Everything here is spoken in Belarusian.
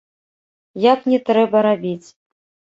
Як не трэба рабіць.